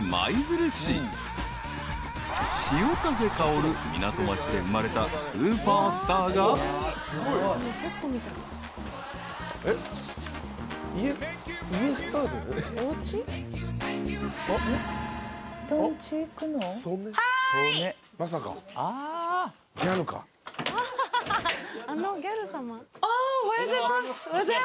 ［潮風薫る港町で生まれたスーパースターが］おはようございます。